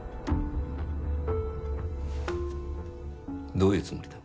どういうつもりだ。